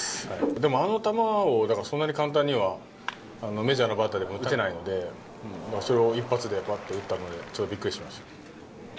でも、あの球をそんなに簡単にはメジャーのバッターでも打てないので、それを一発で、ばって打ったので、ちょっとびっくりしました。